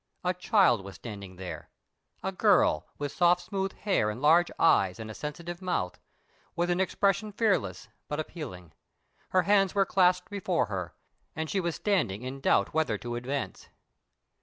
A child was standing there—a girl with soft smooth hair and large eyes and a sensitive mouth, with an expression fearless but appealing. Her hands were clasped before her, and she was standing, in doubt whether to advance.